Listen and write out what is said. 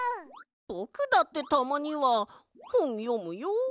ぼくだってたまにはほんよむよ。